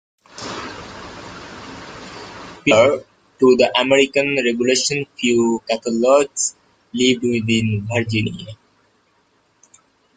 Prior to the American Revolution few Catholics lived within Virginia.